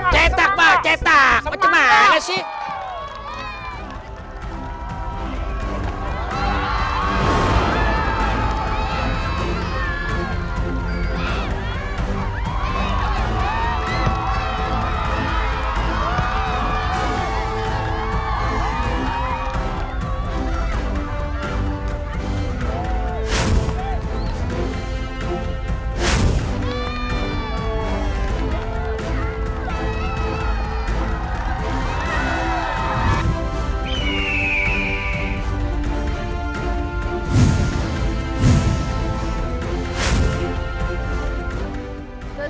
cetak pak cetak macemana sih